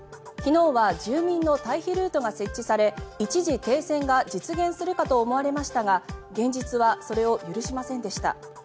昨日は住民の退避ルートが設置され一時停戦が実現するかと思われましたが現実はそれを許しませんでした。